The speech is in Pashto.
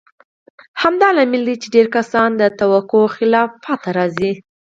همدا لامل دی چې ډېر کسان د توقع خلاف پاتې راځي.